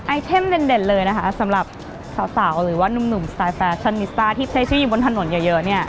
เทมเด่นเลยนะคะสำหรับสาวหรือว่านุ่มสไตลแฟชั่นนิสต้าที่ใช้ชื่ออยู่บนถนนเยอะเนี่ย